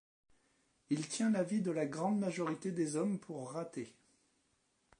Il tient la vie de la grande majorité des hommes pour ratée.